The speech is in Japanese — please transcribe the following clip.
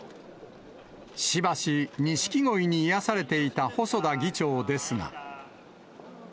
しばし錦鯉に癒やされていた細田議長ですが。